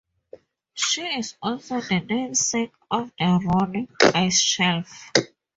She is also the namesake of the Ronne Ice Shelf.